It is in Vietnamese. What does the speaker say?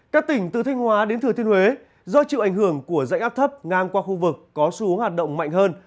các tỉnh từ thanh hóa đến thừa thiên huế do chịu ảnh hưởng của dãy áp thấp ngang qua khu vực có xu hướng hoạt động mạnh hơn